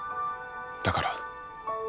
だから。